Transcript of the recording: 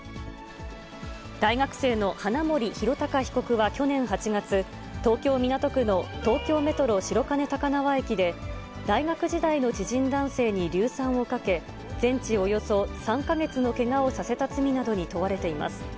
大学生の花森弘卓被告は去年８月、東京・港区の東京メトロ白金高輪駅で、大学時代の知人男性に硫酸をかけ、全治およそ３か月のけがをさせた罪などに問われています。